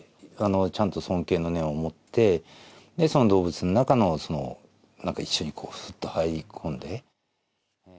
ちゃんと尊敬の念を持って、動物の中のなんか一緒に、すっと入り込んで。